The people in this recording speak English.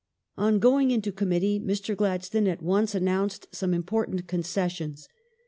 On going into Committee Mr. Gladstone at once announced some important concessions.